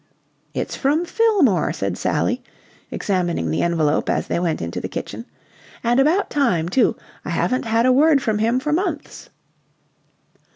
"It's from Fillmore," said Sally, examining the envelope as they went into the kitchen. "And about time, too. I haven't had a word from him for months."